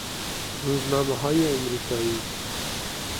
روزنامههای امریکایی